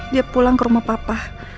dia pulang ke rumah papa